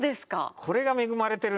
これが恵まれてるね